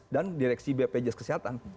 dan direksi bpjs kesehatan